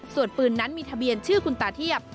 ส่วนปืนนั้นมีทะเบียนชื่อคุณตาเทียบ